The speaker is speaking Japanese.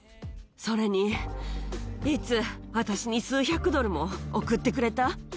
それに、いつ、私に数百ドルも送ってくれた？